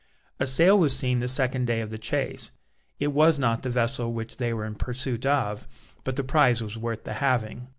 A sail was seen the second day of the chase: it was not the vessel which they were in pursuit of, but the prize was worth the having.